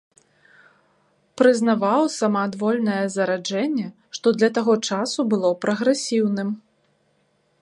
Прызнаваў самаадвольнае зараджэнне, што для таго часу было прагрэсіўным.